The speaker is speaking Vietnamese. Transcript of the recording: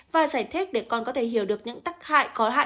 và giải thích để con có thể hiểu được những tắc hại có hại